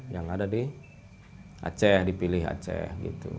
yang ada di aceh dipilih aceh gitu